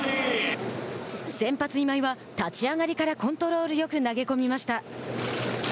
先発今井は立ち上がりからコントロールよく投げ込みました。